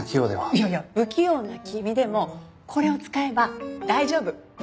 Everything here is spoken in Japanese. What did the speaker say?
いやいや不器用な君でもこれを使えば大丈夫。